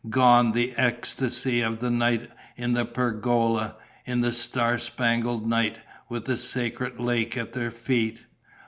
Gone the ecstasy of the night in the pergola, in the star spangled night, with the sacred lake at their feet!